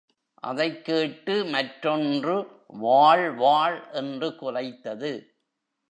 அதைக்கேட்டு மற்றொன்று வாள் வாள் என்று குலைத்தது.